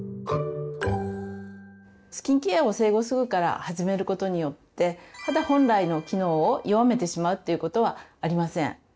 スキンケアを生後すぐから始めることによって肌本来の機能を弱めてしまうということはありません。